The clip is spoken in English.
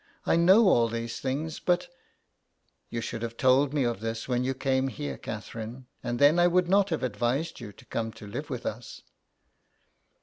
I know all these things, but "" You should have told me of this when you came here, Catherine, and then I would not have advised you to come to live with us."